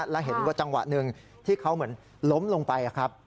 แล้วเห็นว่าจังหวะหนึ่งที่เขาเหมือนล้มลงไปครับ